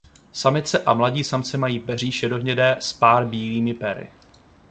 Samice a mladí samci mají peří šedohnědé s pár bílými pery.